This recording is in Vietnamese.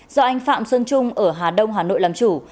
do anh phạm xuân trung ở hà đông hà nội làm chủ